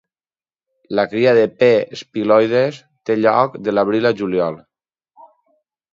La cria de P. spiloides té lloc de l'abril al juliol.